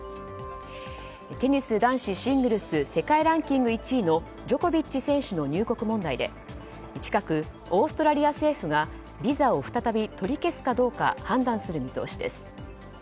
テニス男子シングルス世界ランキング１位のジョコビッチ選手の入国問題で近くオーストラリア政府がビザを再び取り消すかどうか判断する見通しです。